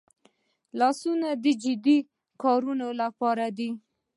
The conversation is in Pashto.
لاسونه د جدي کارونو لپاره دي